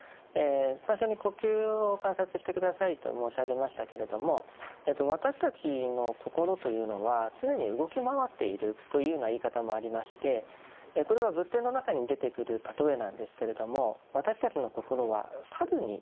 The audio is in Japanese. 最初に呼吸を観察して下さいと申し上げましたけれども私たちの心というのは常に動き回っているというような言い方もありましてこれは仏典の中に出てくる例えなんですけれども私たちの心は猿に例えられることがあります。